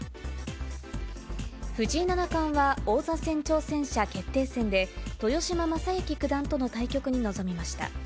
藤井七冠は王座戦挑戦者決定戦で、豊島将之九段との対局に臨みました。